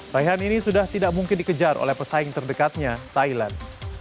raihan ini sudah tidak mungkin dikejar oleh pesaing terdekatnya thailand